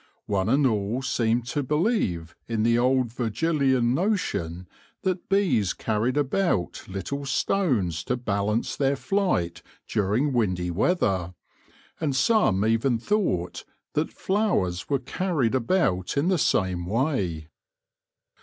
One and all seemed to believe in the old Virgilian notion that bees carried about little stones to balance their flight during windy weather, and some even thought that flowers were carried about in the same way.